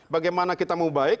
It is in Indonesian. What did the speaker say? bagaimana kita mau baik